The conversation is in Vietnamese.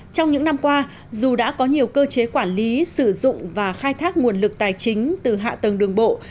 trong những năm qua dù đã có nhiều cơ chế quản lý sử dụng và khai thác nguồn lực tài chính từ hạ tầng đường bộ